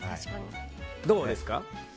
どうですか？